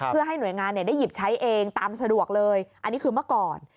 เพื่อให้หน่วยงานได้หยิบใช้เองตามสะดวกเลยอันนี้คือเมื่อก่อน